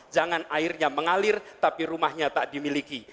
jangan airnya mengalir tapi rumahnya tak dimiliki